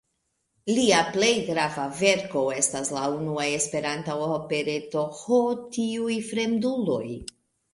Lia plej grava verko estas la unua Esperanta opereto "Ho, tiuj fremduloj!